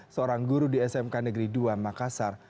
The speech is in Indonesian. seorang guru di smk negeri dua makassar